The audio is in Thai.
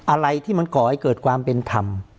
อะไรที่มันก่อให้เกิดความเป็นธรรม